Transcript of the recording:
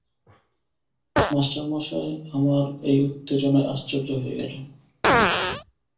মাস্টারমশায় আমার এই উত্তেজনায় আশ্চর্য হয়ে গেলেন।